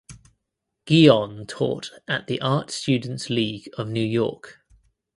Guion taught at the Art Students League of New York.